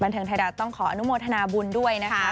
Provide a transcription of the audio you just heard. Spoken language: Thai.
เทิงไทยรัฐต้องขออนุโมทนาบุญด้วยนะคะ